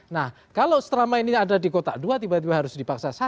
nah kalau selama ini ada di kotak dua tiba tiba harus dipaksa satu